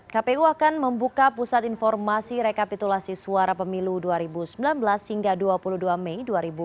kpu akan membuka pusat informasi rekapitulasi suara pemilu dua ribu sembilan belas hingga dua puluh dua mei dua ribu sembilan belas